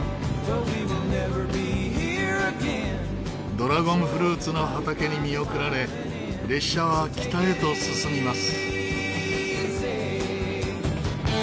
ドラゴンフルーツの畑に見送られ列車は北へと進みます。